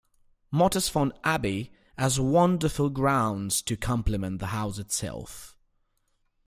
Mottisfont Abbey has wonderful grounds to complement the house itself.